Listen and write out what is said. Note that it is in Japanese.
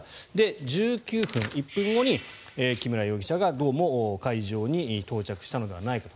１９分、１分後に木村容疑者がどうも会場に到着したのではないかと。